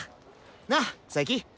なっ佐伯！